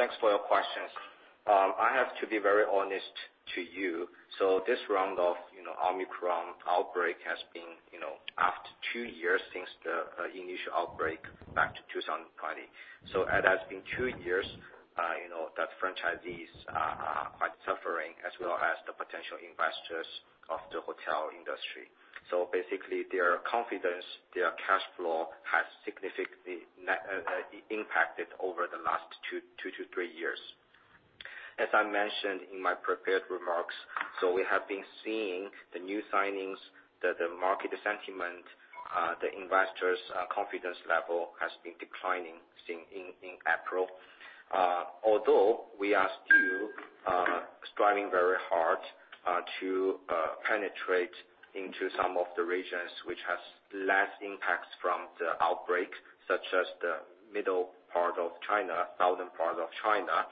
Thanks for your questions. I have to be very honest to you. This round of Omicron outbreak has been, after two years since the initial outbreak back to 2020. It has been two years that franchisees are quite suffering as well as the potential investors of the hotel industry. Basically their confidence, their cash flow has significantly impacted over the last two to three years. As I mentioned in my prepared remarks, so we have been seeing the new signings that the market sentiment, the investors, confidence level has been declining since in April. Although we are still striving very hard to penetrate into some of the regions which has less impacts from the outbreak, such as the middle part of China, southern part of China.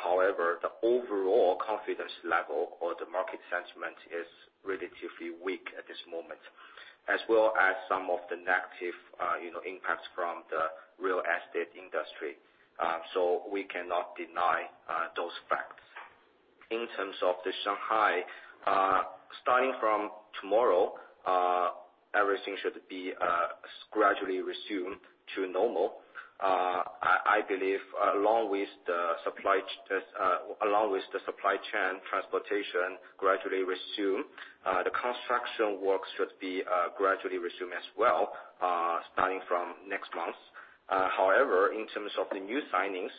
However, the overall confidence level or the market sentiment is relatively weak at this moment, as well as some of the negative impacts from the real estate industry. We cannot deny those facts. In terms of the Shanghai, starting from tomorrow, everything should be gradually resume to normal. I believe, along with the supply chain transportation gradually resume, the construction work should be gradually resume as well, starting from next month. However, in terms of the new signings,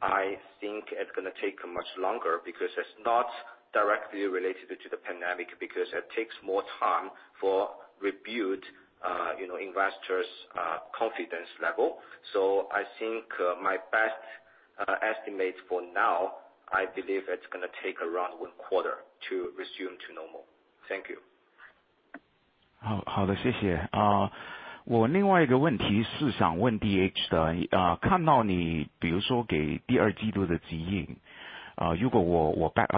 I think it's going to take much longer, because it's not directly related to the pandemic, because it takes more time for rebuild investors' confidence level. I think, my best estimate for now, I believe it's going to take around one quarter to resume to normal. Thank you. 好的，谢谢。我另外一个问题是想问DH的，看到你比如说给第二季度的指引，如果我back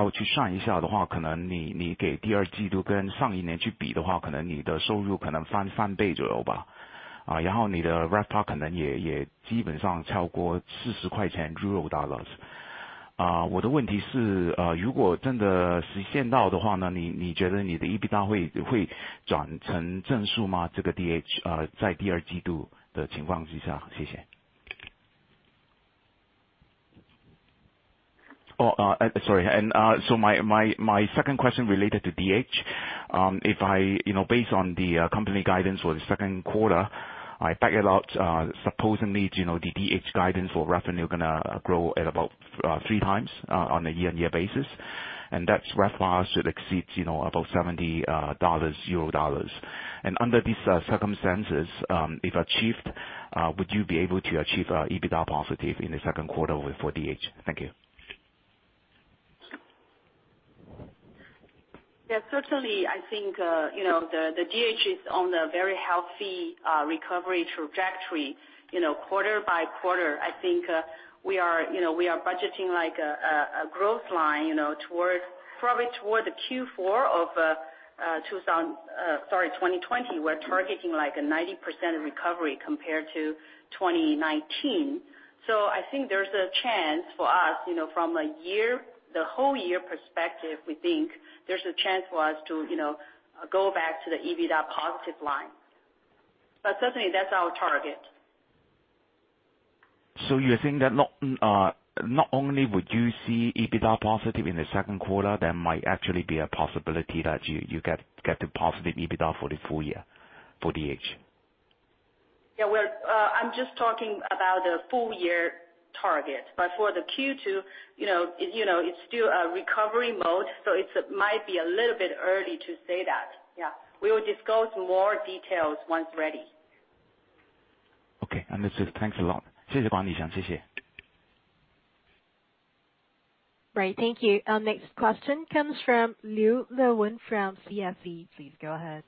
out去算一下的话，可能你给第二季度跟上一年去比的话，可能你的收入可能翻三倍左右吧，然后你的RevPAR可能也基本上超过四十块钱Euro。我的问题是，如果真的实现到的话，那你觉得你的EBITDA会转成正数吗？这个DH在第二季度的情况之下，谢谢。My second question related to DH. If I, based on the company guidance for the second quarter back it out, supposedly, the DH guidance or revenue gonna grow at about 3x on a year-on-year basis, and that RevPAR should exceedabout EUR 70. Under these circumstances, if achieved, would you be able to achieve EBITDA positive in the second quarter for DH? Thank you. Yeah, certainly I think the DH is on a very healthy recovery trajectory quarter-by-quarter. I think we are budgeting like a growth line toward the Q4 of 2020, we're targeting like a 90% recovery compared to 2019. I think there's a chance for us, from the whole year perspective, we think there's a chance for us togo back to the EBITDA positive line. Certainly that's our target. You're saying that not only would you see EBITDA positive in the second quarter, there might actually be a possibility that you get to positive EBITDA for the full year for DH. I'm just talking about the full year target, but for the Q2 it's still a recovery mode, so it might be a little bit early to say that. Yeah. We will discuss more details once ready. Okay, understood. Thanks a lot. 谢谢管理层，谢谢。Right. Thank you. Next question comes from 刘乐文 from CSC Financial. Please go ahead.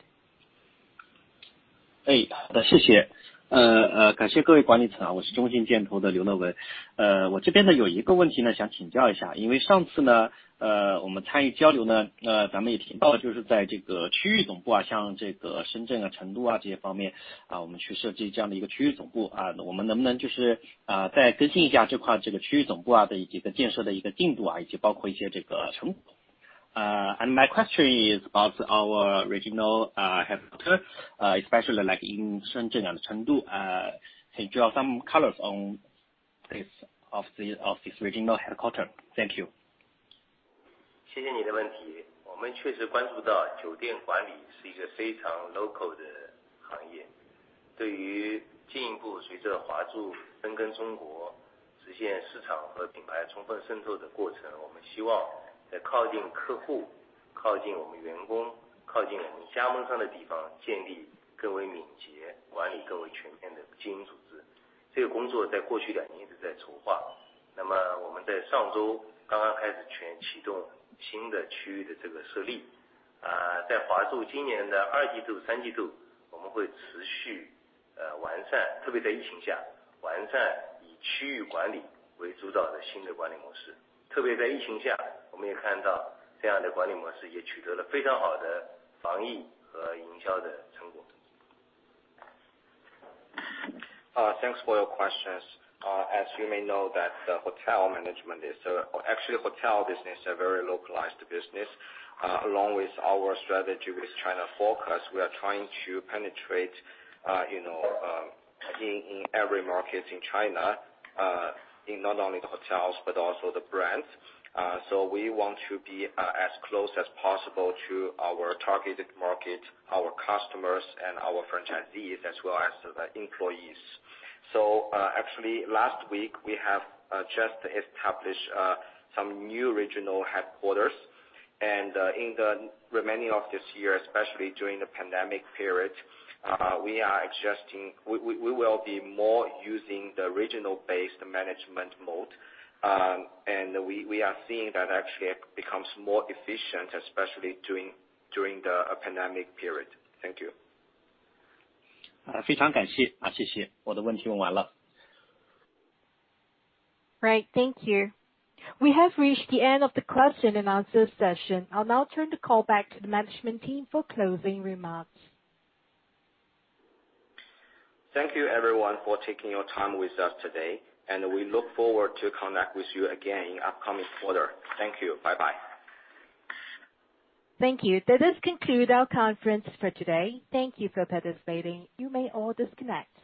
好的，谢谢。感谢各位管理层，我是中信建投的刘乐文。我这边有一个问题想请教一下，因为上次我们参与交流，咱们也提到，就是在这个区域总部，像这个深圳、成都这些方面，我们去设计这样的一个区域总部，我们能不能就是再更新一下这块，这个区域总部的几个建设的进度，以及包括一些这个成果。My question is about our regional headquarters, especially like in Shenzhen and Chengdu. Can you draw some color on this regional headquarters? Thank you. Thanks for your questions. As you may know that, hotel management is, or actually hotel business, a very localized business. Along with our strategy with China focus, we are trying to penetrate in every market in China, in not only the hotels but also the brands. We want to be as close as possible to our targeted market, our customers, and our franchisees, as well as the employees. Actually, last week we have just established some new regional headquarters. In the remaining of this year, especially during the pandemic period, we are adjusting. We will be more using the regional based management mode. We are seeing that actually it becomes more efficient, especially during the pandemic period. Thank you. Right. Thank you. We have reached the end of the question and answer session. I'll now turn the call back to the management team for closing remarks. Thank you everyone for taking your time with us today, and we look forward to connect with you again in upcoming quarter. Thank you. Bye-bye. Thank you. That does conclude our conference for today. Thank you for participating. You may all disconnect.